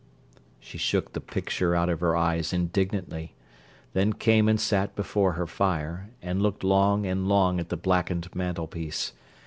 She shook the picture out of her eyes indignantly, then came and sat before her fire, and looked long and long at the blackened mantelpiece.